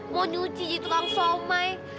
mau nyuci jadi tukang somai